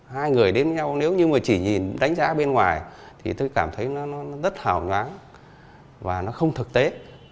hai người đến nhau nếu như mà chỉ nhìn đánh giá bên ngoài thì tôi cảm thấy nó rất hào nhoáng và nó không thực tế